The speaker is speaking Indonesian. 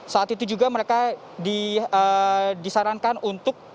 saat itu juga mereka disarankan untuk